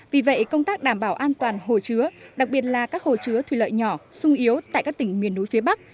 vì vậy công tác đảm bảo an toàn hồ chứa đặc biệt là các hồ chứa thủy lợi nhỏ sung yếu tại các tỉnh miền núi phía bắc